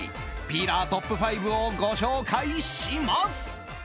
ピーラートップ５をご紹介します。